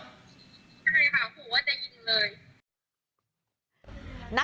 ใช่ครับผู้ว่าจะยิงเลย